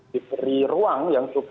diberi ruang yang